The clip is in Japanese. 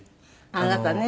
あなたね。